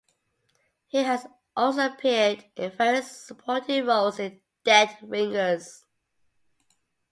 He has also appeared in various supporting roles in "Dead Ringers".